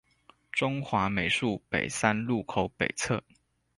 中華美術北三路口北側